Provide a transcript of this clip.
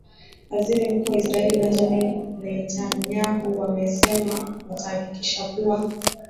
aziri mkuu wa israel benjamin netanyahu wamesema watahakikisha kuwa